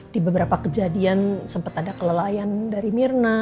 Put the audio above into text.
di beberapa kejadian sempat ada kelelayan dari mirna